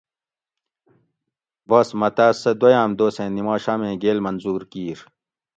بس مہ تاۤس سہۤ دویاۤم دوسیں نِماشامیں گیل منظور کِیر